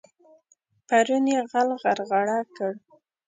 پرون يې غل غرغړه کړ.